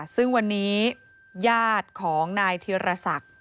ซึ่งวันนี้ญาติของนายธิรศักดิ์